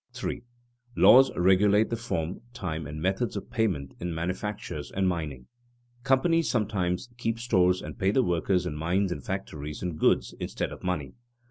[Sidenote: Legal regulation of wage payment] 3. Laws regulate the form, time, and methods of payment in manufactures and mining. Companies sometimes keep stores and pay the workers in mines and factories in goods, instead of money.